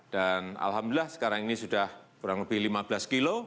dan alhamdulillah sekarang ini sudah kurang lebih lima belas kilo